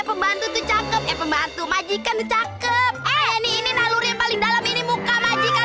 pembantu cakep pembantu majikan cakep ini ini lalu rindal ini muka majikan